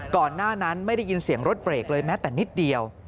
ก่อนหน้านั้นไม่ได้ยินเสียงรถเบรกเลยแม้แต่นิดเดียว